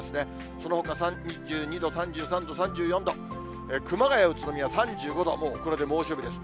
そのほか３２度、３３度、３４度、熊谷、宇都宮３５度、もうこれで猛暑日です。